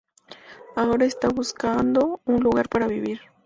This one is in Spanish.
Ahora está buscando un lugar para vivir.